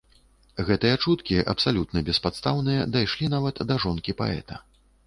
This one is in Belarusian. Гэтыя чуткі, абсалютна беспадстаўныя, дайшлі нават да жонкі паэта.